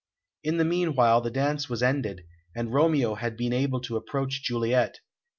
In the meanwhile the dance was ended, and Romeo had been able to approach Juliet.